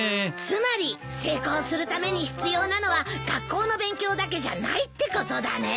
つまり成功するために必要なのは学校の勉強だけじゃないってことだね。